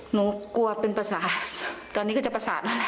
หนูกลัวเป็นประสาทตอนนี้ก็จะประสาทแล้วแหละ